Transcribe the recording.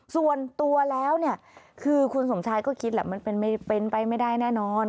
ส่วนตัวแล้วเนี่ยคือคุณสมชายก็คิดแหละมันเป็นไปไม่ได้แน่นอน